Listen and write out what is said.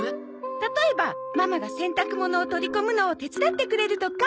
例えばママが洗濯物を取り込むのを手伝ってくれるとか？